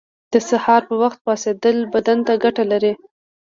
• د سهار پر وخت پاڅېدل بدن ته ګټه لري.